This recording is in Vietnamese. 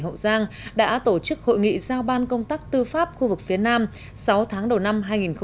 hậu giang đã tổ chức hội nghị giao ban công tác tư pháp khu vực phía nam sáu tháng đầu năm hai nghìn hai mươi